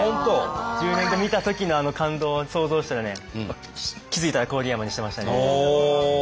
１０年後見たときのあの感動を想像したらね気付いたら郡山にしてましたね。